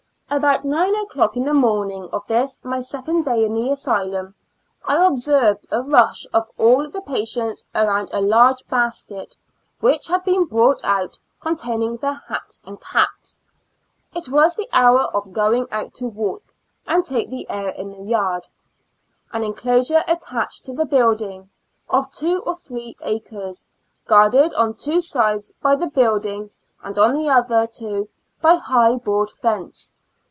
About nine o'clock in the morning of this my second day in the asylum, I observed a rush of all the patients around a large basket which had been brought out, con taining their hats and caps. It was the hour of going out to walk and take the air in the yard, an enclosure attached to the building, of two or three acres, guarded on two sides by the building and on the other two by a high board fence.